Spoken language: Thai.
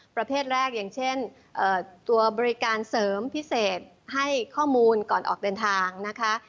ประเภทแรกอย่างเช่นตัวบริการเสริมพิเศษให้ข้อมูลก่อนออกเดินทางนะคะ